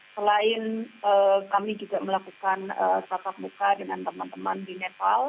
selain kami juga melakukan tatap muka dengan teman teman di nepal